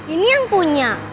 ini yang punya